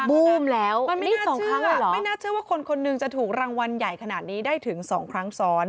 ก็บูมแล้วมันไม่น่าเชื่อมันไม่น่าเชื่อว่าคนนึงจะถูกรางวัลใหญ่ขนาดนี้ได้ถึง๒ครั้งซ้อน